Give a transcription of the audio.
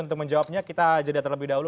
untuk menjawabnya kita jeda terlebih dahulu